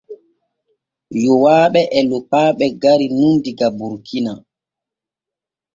Yowaaɓe e Lokpaaɓe garu nun diga Burkina.